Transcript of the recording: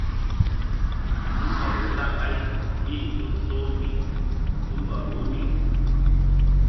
Tumbɔl wo ra ɓáy mí-i ƴo soh mbih tumbɔl wo mí.